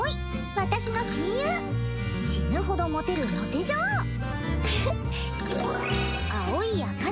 私の親友死ぬほどモテるモテ女王フフッ蒼井茜